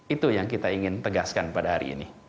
itu yang kita ingin tegaskan pada hari ini